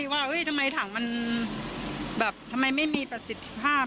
ตัวคาใจพี่ว่าอุ๊ยทำไมถังมันแบบทำไมไม่มีประสิทธิภาพ